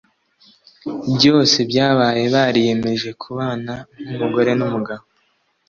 byose byabaye bariyemeje kubana nk’umugore n’umugabo